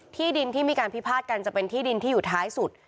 ที่ดินที่มีการพิพาทกันจะเป็นที่ดินที่อยู่ท้ายสุด